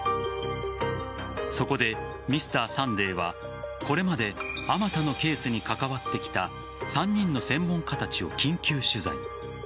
そこで「Ｍｒ．サンデー」はこれまであまたのケースに関わってきた３人の専門家たちを緊急取材。